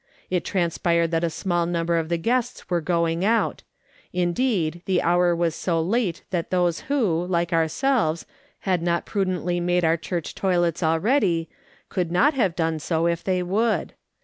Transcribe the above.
It transpired that a small number of the guests were going out ; indeed, the hour was so late that those who, like ourselves, had not prudently ''POOR LI DA AND THE KEST." 107 made their church toilets ah'eady, could not have done so if they would.